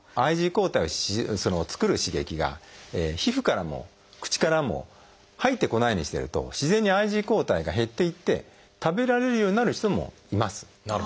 ＩｇＥ抗体を作る刺激が皮膚からも口からも入ってこないようにしてると自然にＩｇＥ抗体が減っていって食べられるようになる人もいます。